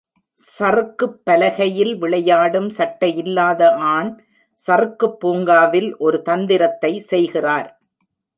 சறுக்குப் பலகையில் விளையாடும் சட்டையில்லாத ஆண் சறுக்குப்பூங்காவில் ஒரு தந்திரத்தை செய்கிறார்.